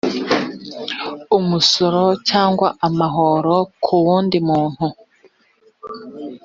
umusoro cyangwa amahoro ku wundi muntu